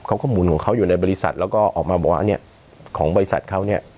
หมุนของเขาอยู่ในบริษัทแล้วก็ออกมาบอกว่าเนี่ยของบริษัทเขาเนี่ย